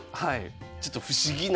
ちょっと不思議な。